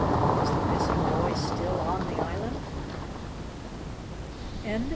Was the missing boy still on the island?